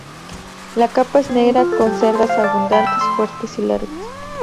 La capa es negra, con cerdas abundantes, fuertes y largas.